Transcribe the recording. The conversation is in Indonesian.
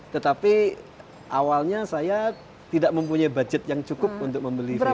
tetapi awalnya saya tidak mempunyai budget yang cukup untuk membeli view